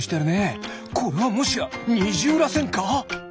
これはもしやにじゅうらせんか！？